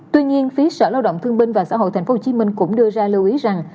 tuy nhiên phía sở lao động thương binh và xã hội tp hcm cũng đưa ra lưu ý rằng